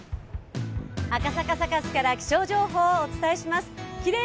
赤坂サカスから気象情報をお伝えします。